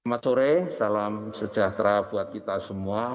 selamat sore salam sejahtera buat kita semua